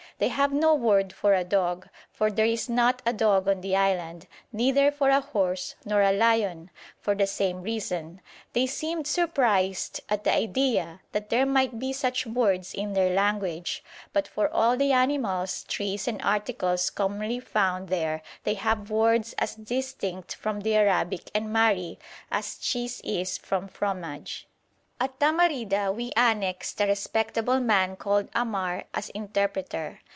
They have no word for a dog, for there is not a dog on the island; neither for a horse nor a lion, for the same reason; they seemed surprised at the idea that there might be such words in their language; but for all the animals, trees, and articles commonly found there they have words as distinct from the Arabic and Mahri as cheese is from fromage. At Tamarida we annexed a respectable man called Ammar as interpreter.